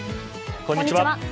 こんにちは。